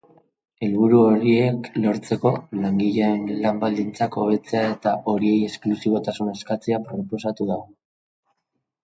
Helburu horiek lortzeko langileen lan-baldintzak hobetzea eta horiei esklusibotasuna eskatzea proposatu du.